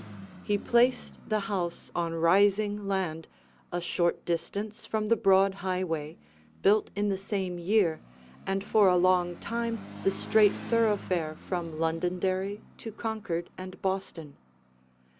He placed the house on rising land, a short distance from the broad highway, built in the same year and for a long time the straight thoroughfare from Londonderry to Concord and Boston.